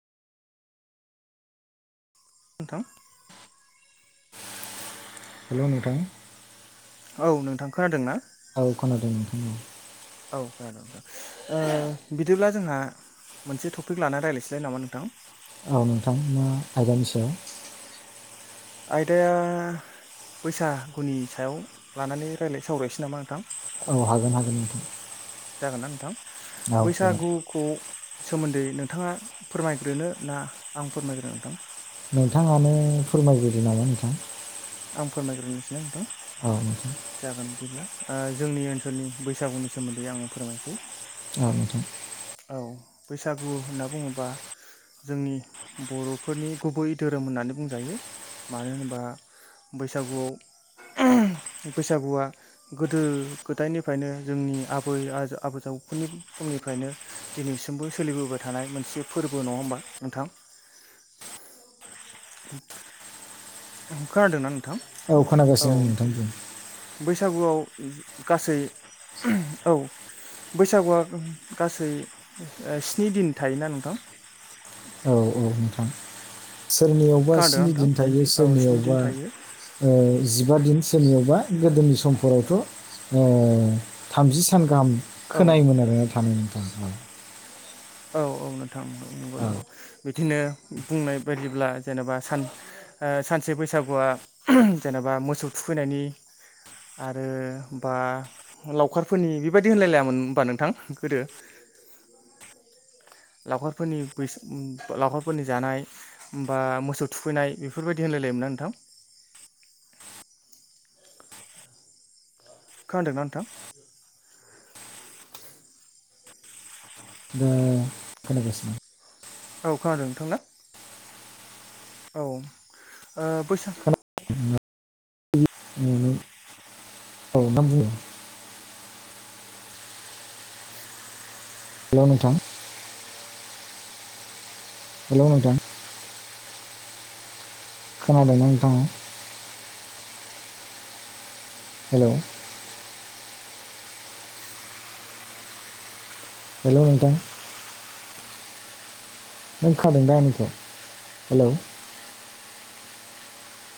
नोंथां हेलौ नोंथां औ नोंथां खोनादों ना औ खोनादों‌ नोंथां औ बिदिब्ला जोंहा मोनसे टपिक लानानै रायज्लायसैलाय नामा नोंथां औ नोंथां मा आयदानि सायाव आयदाया बैसागुनि सायाव लानानै राय्लाय सावरायसै नामा नोंथां औ हागोन हागोन नोंथां जागोनना नोंथां औ जागोन बैसागुखौ सोमोन्दै नोंथाङा फोरमायग्रोनो ना आं फोरमायग्रो नोंथां नोंथाङानो फोरमायबो नामा नोंथां आं फोरमायग्रोनोसै नांदों औ नोंथां जागोन बिदिब्ला जोंनि ओनसोलनि बैसागुनि सोमोन्दै आङो फोरमायसै औ नोंथां औ बैसागु होनना बुङोबा जोंनि बर'फोरनि गुबै धोरोम होननानै बुंजायो मानो होनोबा बैसागुआव बैसागुआ गोदो गोदायनिफ्रायनो जोंनि आबै आबै खुनि समनिफ्रायनो दिनैसिमबो सोलिबोबाय थानाय मोनसे फोरबो नङा होमबा नोंथां खोनादों नोंथां औ खोनागासिनो आं नोंथांजों बैसागुआव गासै औ बैसागुआ गासै स्नि दिन थायोना नोंथां औ औ नोंथां सोरनियावबा खोनादोंना स्नि नोंथां दिन थायो औ स्नि दिन सोरनियावबा थायो जिबा दिन सोरनियावबा गोदोनि समफोरावथ' थामजि सान गाहाम औ खोनायोमोन आरोना थानो नोंथां औ औ नोंथां नंगौ औ नंगौ बिदिनो बुंनाय बायदिब्ला जेनेबा सान सानसे बैसागुआ जेनेबा। बा मोसौ थुखैनायनि। आरो बा लावखारफोरनि बेबायदि होनलायलायामोन होनबा नोंथां गोदो? [unintelligible] [inaudible] लावखारफोरनि बैसा लावखारफोरनि जानाय बा मोसौ थुखैनाय बेफोरबायदि होनायल। तो मोना नोंथां? खोनादोंना नोंथां? ओ खोना गोसिनो। औ खोनादों नोंथांना। औ ओ बैसाग। खोना औ नों बुं। हेल' नोंथां। हेल' नोंथां। खोनादोंना नोंथाङा। हेलौ। हेल' नोंथां। नों खादों दा आंनिखौ हेलौ।